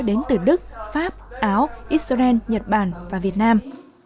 đến từ đức pháp áo israel nhật bản và việt nam